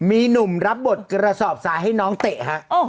มีหนุ่มรับบทกระสอบซ้ายให้น้องเตะฮะ